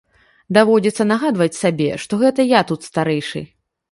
Даводзіцца нагадваць сабе, што гэта я тут старэйшы.